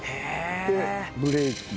でブレーキ。